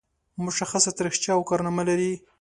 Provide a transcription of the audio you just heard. مشخصه تاریخچه او کارنامه لري.